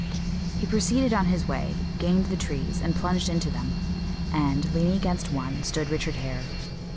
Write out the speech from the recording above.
He proceeded on his way, gained the trees, and plunged into them; and, leaning against one, stood Richard Hare.